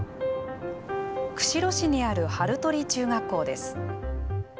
釧路市にある春採中学校です。